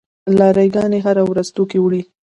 لاری ګانې هره ورځ توکي وړي.